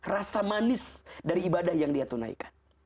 rasa manis dari ibadah yang dia tunaikan